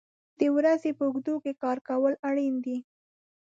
د ورځې په اوږدو کې کار کول اړین دي.